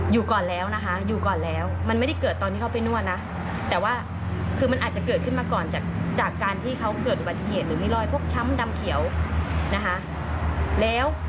อยู่ก่อนแล้วนะคะอยู่ก่อนแล้ว